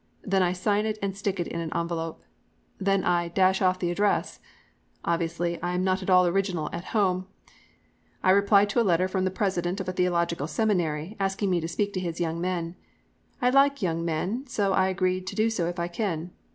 '" Then I sign it and stick it in an envelope. Then I "dash off the address." Obviously I am not at all original at home. I replied to a letter from the president of a theological seminary, asking me to speak to his young men. I like young men so I agree to do so if I can.